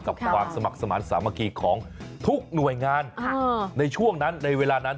ความสมัครสมาธิสามัคคีของทุกหน่วยงานในช่วงนั้นในเวลานั้น